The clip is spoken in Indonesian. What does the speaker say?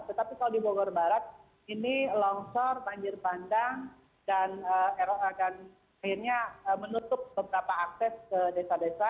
tetapi kalau di bogor barat ini longsor banjir bandang dan akhirnya menutup beberapa akses ke desa desa